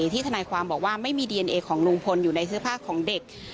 ทนายความบอกว่าไม่มีดีเอนเอของลุงพลอยู่ในเสื้อผ้าของเด็ก